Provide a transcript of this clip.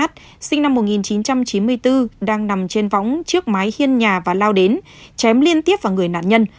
sinh năm một nghìn chín trăm chín mươi bốn đang nằm trên võng trước mái hiên nhà và lao đến chém liên tiếp vào người nạn nhân